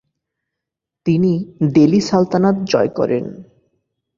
তিনি দেলি সালতানাত জয় করেন।